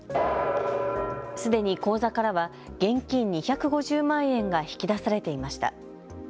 すでに口座からは現金２５０万円が引き出されていました。